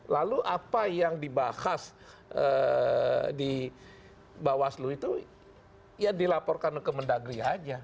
lalu apa yang dibahas di bawaslu itu ya dilaporkan ke mendagri aja